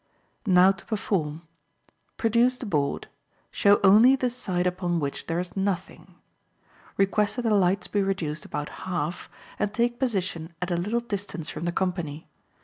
Now to perform. Produce the board. Show only the side upon which there is nothing. Request that the lights may be reduced about half, and take position at a little distance from the company.